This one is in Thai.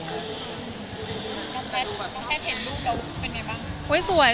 แคทเห็นลูกกับวุ๊คเป็นไงบ้าง